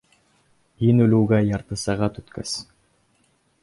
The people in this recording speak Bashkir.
Һин үлеүгә ярты сәғәт үткәс.